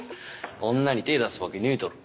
女に手出すわけねえだろ。